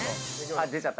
あっ出ちゃった。